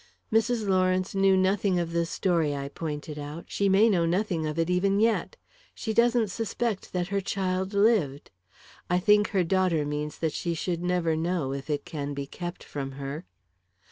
"Mrs. Lawrence knew nothing of the story," I pointed out. "She may know nothing of it, even yet. She doesn't suspect that her child lived. I think her daughter means that she should never know, if it can be kept from her."